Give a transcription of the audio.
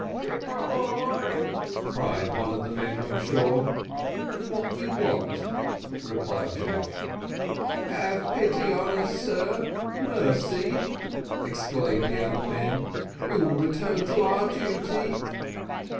"Ship ahoy!" cried one of the men on shore. "What do you want?" replied Jack. "Have pity on us, sir mercy!" exclaimed the other men, "we will return to our duty."